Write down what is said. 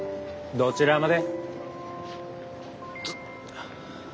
どちらまで？